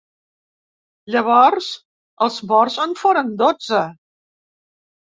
Llavors, els morts en foren dotze.